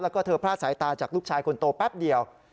แล้วก็เธอพลาดสายตาจากลูกชายคนโตแป๊บเดียว